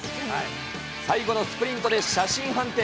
最後のスプリントで写真判定。